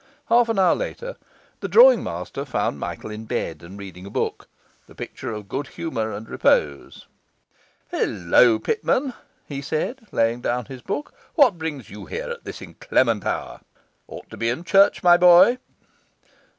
Half an hour later, the drawing master found Michael in bed and reading a book, the picture of good humour and repose. 'Hillo, Pitman,' he said, laying down his book, 'what brings you here at this inclement hour? Ought to be in church, my boy!